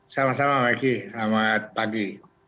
sama sama maiki selamat pagi